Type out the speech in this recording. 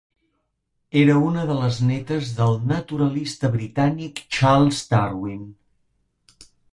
Era una de les netes del naturalista britànic Charles Darwin.